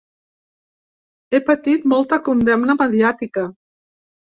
He patit molta condemna mediàtica.